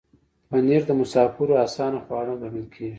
پنېر د مسافرو آسان خواړه ګڼل کېږي.